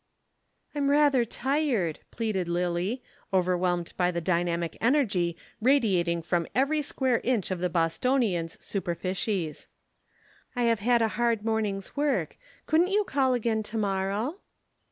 "I'm rather tired," pleaded Lillie, overwhelmed by the dynamic energy radiating from every square inch of the Bostonian's superficies. "I have had a hard morning's work. Couldn't you call again to morrow?"